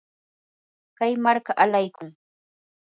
kay marka alaykun.